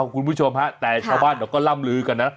คุณผู้ชมฮะแต่ชาวบ้านเขาก็ล่ำลือกันนะ